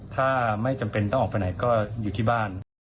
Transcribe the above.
ถ้าไม่จำเป็นต้องออกไปไหนก็อยู่ที่บ้าน